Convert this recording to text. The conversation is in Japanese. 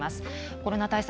コロナ対策